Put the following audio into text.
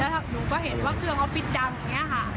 หนูก็เห็นว่าเครื่องออฟฟิตดำอย่างนี้ค่ะ